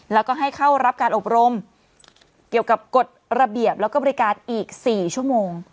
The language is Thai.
แล้วก็ให้เข้ารับการอบรมเกี่ยวกับกฎระเบียบแล้วก็บริการอีก๔ชั่วโมง